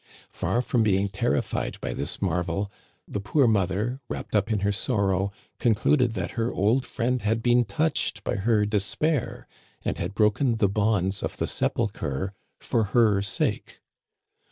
Far from being terrified by this marvel, the poor mother, wrapped up in her sorrow, concluded that her old friend had been touched by her despair, and had broken the bonds of the sepulchre for her sake.